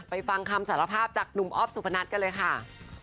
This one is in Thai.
ฟังคำสารภาพจากหนุ่มอ๊อฟสุพนัทกันเลยค่ะ